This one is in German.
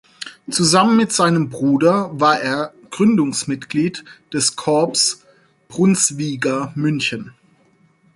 Zusammen mit seinem Bruder war er Gründungsmitglied des Corps Brunsviga München.